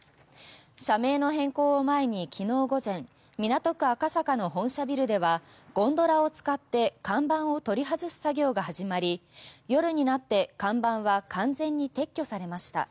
社名の変更を前に昨日午前港区赤坂の本社ビルではゴンドラを使って看板を取り外す作業が始まり夜になって看板は完全に撤去されました。